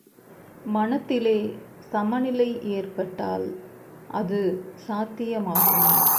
மனத்திலே சமநிலை ஏற்பட்டால் அது சாத்தியமாகும்.